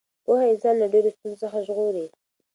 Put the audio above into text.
پوهه انسان له ډېرو ستونزو څخه ژغوري.